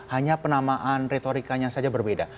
hanya penamaan retorikanya saja berbeda